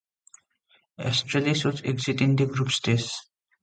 Astralis would exit in the group stage.